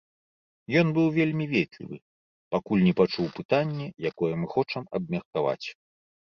Ён быў вельмі ветлівы, пакуль не пачуў пытанне, якое мы хочам абмеркаваць.